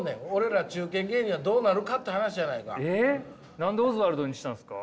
何でオズワルドにしたんすか？